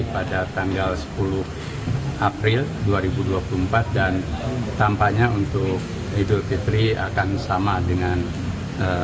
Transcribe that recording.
pada tanggal sepuluh april dua ribu dua puluh empat dan tampaknya untuk idul fitri akan sama dengan